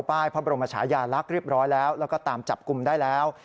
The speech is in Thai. พระบรมชายาลักษณ์เรียบร้อยแล้วแล้วก็ตามจับกลุ่มได้แล้ว